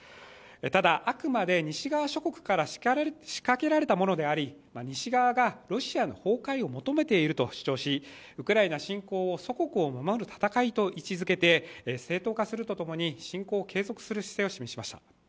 ただ、あくまで西側諸国から仕掛けられたものであり西側がロシアの崩壊を求めていると主張しウクライナ侵攻を祖国を守る戦いと位置づけて正当化するとともに侵攻を継続する姿勢を示しました。